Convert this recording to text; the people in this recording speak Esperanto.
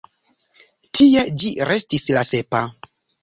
Tie ĝi restis la sepa.